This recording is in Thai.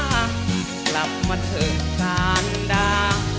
กลับมาเถอะสารดา